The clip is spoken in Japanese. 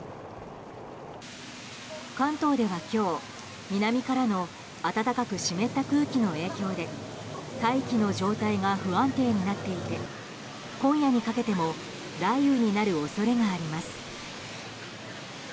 関東では今日、南からの暖かく湿った空気の影響で大気の状態が不安定になっていて今夜にかけても雷雨になる恐れがあります。